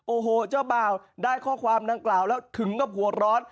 โอ้โหเจ้าบ่าวได้ข้อความดังกล่าวแล้วถึงกับหัวร้อน